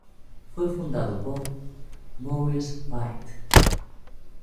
Fue fundado por Maurice White.